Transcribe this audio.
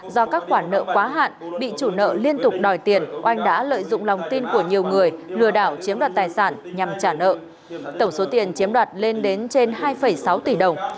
do các khoản nợ quá hạn bị chủ nợ liên tục đòi tiền oanh đã lợi dụng lòng tin của nhiều người lừa đảo chiếm đoạt tài sản nhằm trả nợ tổng số tiền chiếm đoạt lên đến trên hai sáu tỷ đồng